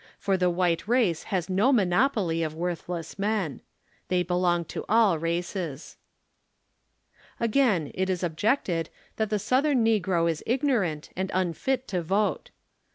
For the white race has no monopoly of worthless men. They belong to all races. Again, it is objected, that the Southern negro is igno rant and unfit to vote.